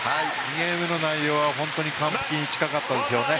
２ゲーム目の内容は本当に完璧に近かったですね。